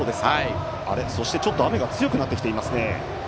そして、ちょっと雨が強くなってきていますね。